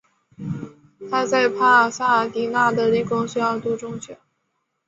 他在帕萨迪娜的理工学校读中学。